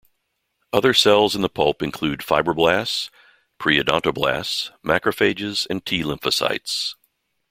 Other cells in the pulp include fibroblasts, preodontoblasts, macrophages and T lymphocytes.